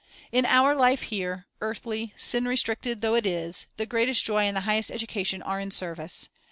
In our life here, earthly, sin restricted, though it is, the greatest joy and the highest education are in service.